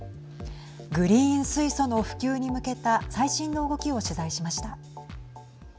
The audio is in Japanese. グリーン水素の普及に向けた最新の動きを取材しました。